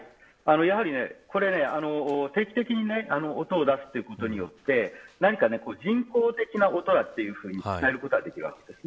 定期的に音を出すということによって人工的な音だというふうに伝えることができるわけです。